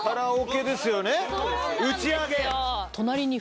打ち上げ。